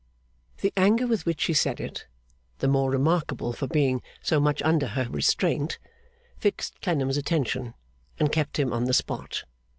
The anger with which she said it, the more remarkable for being so much under her restraint, fixed Clennam's attention, and kept him on the spot.